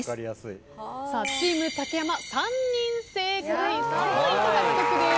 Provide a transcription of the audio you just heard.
チーム竹山３人正解３ポイント獲得です。